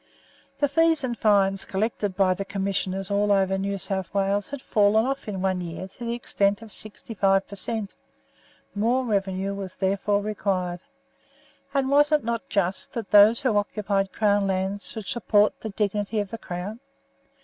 The fees and fines collected by the Commissioners all over New South Wales had fallen off in one year to the extent of sixty five per cent; more revenue was therefore required, and was it not just that those who occupied Crown lands should support the dignity of the Crown?